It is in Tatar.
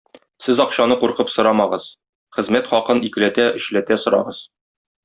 Сез акчаны куркып сорамагыз, хезмәт хакын икеләтә-өчләтә сорагыз.